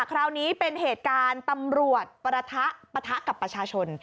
คราวนี้เป็นเหตุการณ์ตำรวจประทะปะทะกับประชาชน